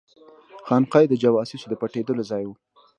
خانقاه یې د جواسیسو د پټېدلو ځای وو.